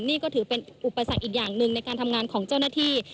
นี่ก็ถือเป็นอุปสรรคอีกอย่างหนึ่งในการทำงานของเจ้าหน้าที่